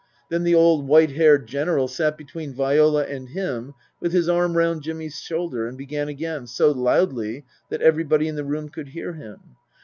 Then the old white haired General sat between Viola and him with his arm round Jimmy's shoulder and began again, so loudly that everybody in the room could hear him.